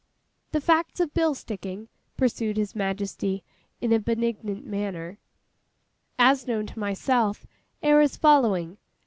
'The facts of bill sticking,' pursued His Majesty, in a benignant manner, 'as known to myself, air as following.